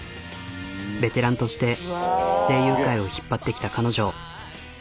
ベテランとして声優界を引っ張ってきた彼女。